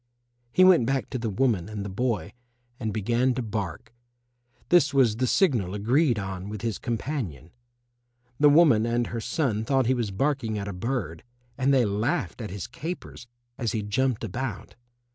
He went back to the woman and the boy and began to bark. This was the signal agreed on with his companion. The woman and her son thought he was barking at a bird, and they laughed at his capers as he jumped about.